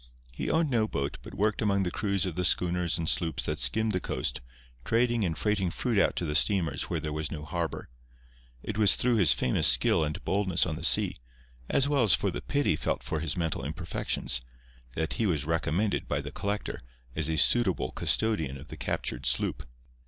He owned no boat, but worked among the crews of the schooners and sloops that skimmed the coast, trading and freighting fruit out to the steamers where there was no harbour. It was through his famous skill and boldness on the sea, as well as for the pity felt for his mental imperfections, that he was recommended by the collector as a suitable custodian of the captured sloop.